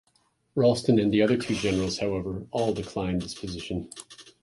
Ralston and the two other generals, however, all declined this position.